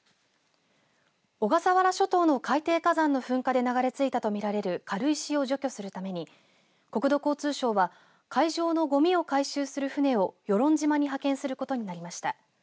小笠原諸島の海底火山の噴火で流れついたとみられる軽石を除去するために国土交通省は海上のごみを回収する船を与論島に派遣することになりました。